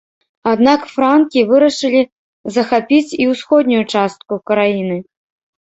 Аднак франкі вырашылі захапіць і ўсходнюю частку краіны.